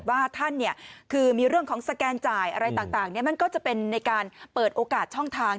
สิ่งต่างมันก็จะเป็นในการเปิดโอกาสช่องทาง